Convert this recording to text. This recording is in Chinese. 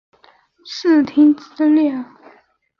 视听资料